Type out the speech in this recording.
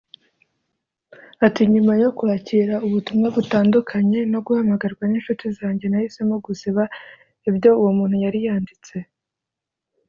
Ati“Nyuma yo kwakira ubutumwa butandukanye no guhamagarwa n’inshuti zanjye nahisemo gusiba ibyo uwo muntu yari yanditse